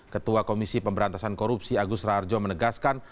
ketua komisi pemberantasan korupsi agus raharjo menegaskan